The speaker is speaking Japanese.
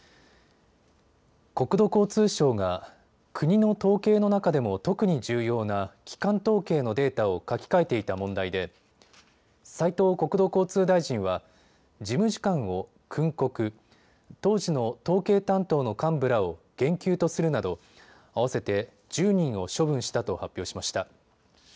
国土交通省が国の統計の中でも特に重要な基幹統計のデータを書き換えていた問題で斉藤国土交通大臣は事務次官を訓告、当時の統計担当の幹部らを減給とするなど合わせて１０人を処分したと発表しました。